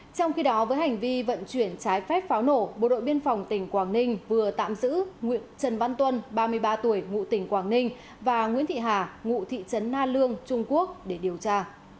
trong khi đó với hành vi vận chuyển trái phép pháo nổ bộ đội biên phòng tỉnh quảng ninh vừa tạm giữ nguyễn trần văn tuân ba mươi ba tuổi ngụ tỉnh quảng ninh và nguyễn thị hà ngụ thị trấn na lương trung quốc để điều tra